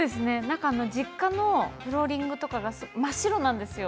実家のフローリングが真っ白なんですよ。